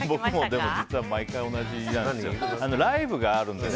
僕も実は毎回同じなんですよ。